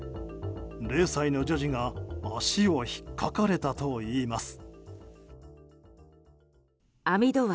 ０歳の女児が足をひっかかれたといいます。